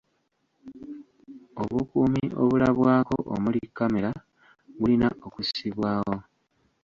Obukuumi obulabwako omuli kkamera bulina okussibwawo.